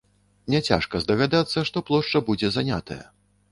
Няцяжка здагадацца, што плошча будзе занятая.